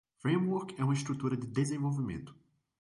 Framework é uma estrutura de desenvolvimento.